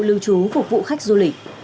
lưu trú phục vụ khách du lịch